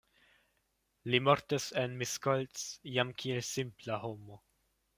Li mortis en Miskolc jam kiel simpla homo.